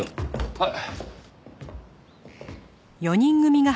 はい。